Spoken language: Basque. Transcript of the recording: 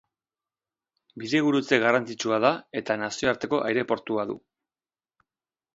Bidegurutze garrantzitsua da eta nazioarteko aireportua du.